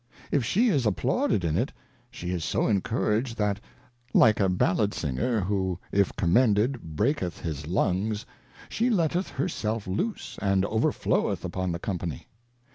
^ If she is applauded in it, she is so encouraged, that, like a Ballad singer, who if commended, breaketh his Lungs, she letteth her self loose, and overfloweth upon the Company.